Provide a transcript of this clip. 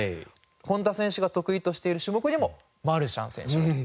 本多選手が得意としている種目にもマルシャン選手がいる。